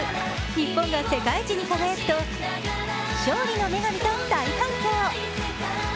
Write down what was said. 日本が世界一に輝くと、勝利の女神と大反響。